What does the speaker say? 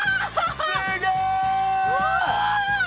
すげえ！わ！